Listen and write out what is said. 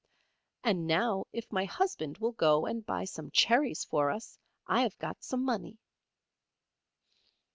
"And now if my Husband will go and buy some cherries for us, I have got some money."